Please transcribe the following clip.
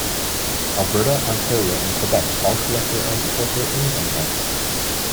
Alberta, Ontario and Quebec all collect their own corporate income tax.